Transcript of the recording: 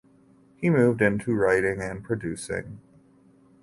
He moved into writing and producing.